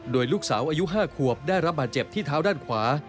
โดยลูกสาวอายุ๕ขวบได้รับบาดเจ็บที่เท้าด้านขวา